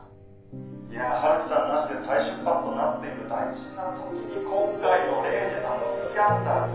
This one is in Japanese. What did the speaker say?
「いや陽樹さんなしで再出発となっている大事な時に今回のレイジさんのスキャンダル。